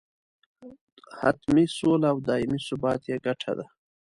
حتمي سوله او دایمي ثبات یې ګټه ده.